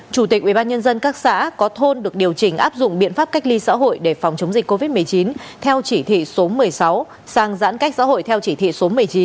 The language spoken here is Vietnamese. chủ tịch ubnd các xã có thôn được điều chỉnh áp dụng biện pháp cách ly xã hội để phòng chống dịch covid một mươi chín theo chỉ thị số một mươi sáu sang giãn cách xã hội theo chỉ thị số một mươi chín